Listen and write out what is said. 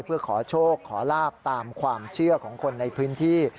เพื่อขอโชคขอลาบตามความเชื่อของคนในพื้นที่